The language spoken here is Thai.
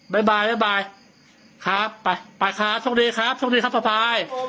บ๊ายบายครับไปไปครับโชคดีครับโชคดีครับป้าพาย